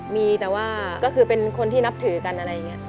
มีแต่ว่าก็คือเป็นคนที่นับถือกันอะไรอย่างนี้